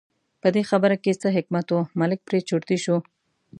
په دې خبره کې څه حکمت و، ملک پرې چرتي شو.